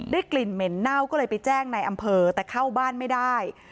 กลิ่นเหม็นเน่าก็เลยไปแจ้งในอำเภอแต่เข้าบ้านไม่ได้